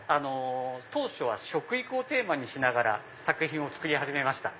当初は食育をテーマにしながら作品を作り始めました。